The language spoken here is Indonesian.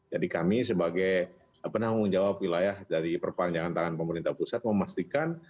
jadi kami sebagai penanggung jawab wilayah dari perpanjangan tangan pemerintah pusat memastikan